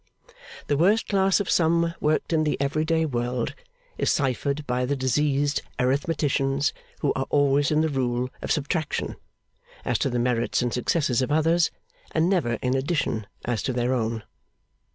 The worst class of sum worked in the every day world is cyphered by the diseased arithmeticians who are always in the rule of Subtraction as to the merits and successes of others, and never in Addition as to their own.